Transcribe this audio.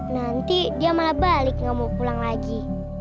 nanti dia malah balik nggak mau pulang lagi